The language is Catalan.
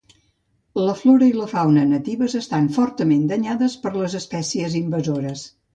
La flora i la fauna natives estan fortament danyades per les espècies invasores.